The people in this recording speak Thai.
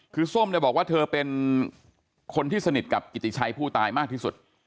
คือส้มเนี่ยบอกว่าเธอเป็นคนที่สนิทกับกิติชัยผู้ตายมากที่สุด